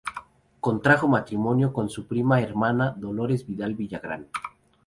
Contrajo matrimonio con su prima hermana Dolores Vidal Villagrán.